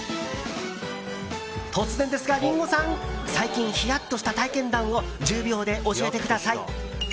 突然ですが、リンゴさん最近ヒヤッとした体験談を１０秒で教えてください！